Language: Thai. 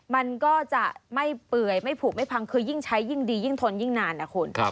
มันก็จะไม่เปื่อยไม่ผูกไม่พังคือยิ่งใช้ยิ่งดียิ่งทนยิ่งนานนะคุณ